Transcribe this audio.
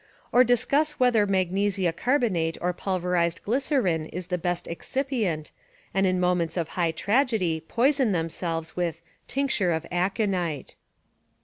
or discuss whether magnesia carbonate or pulverised glyc erine is the best excipient, and in moments of high tragedy poison themselves with "tincture of aconite."